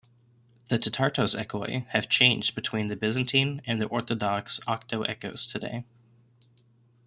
The tetartos echoi have changed between the Byzantine and the Orthodox octoechos today.